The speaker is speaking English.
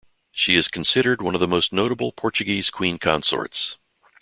She is considered one of the most notable Portuguese queen consorts.